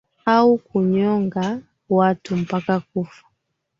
au kunyonga watu mpaka kufa